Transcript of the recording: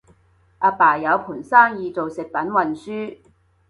阿爸有盤生意做食品運輸